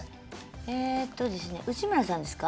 えとですね内村さんですか？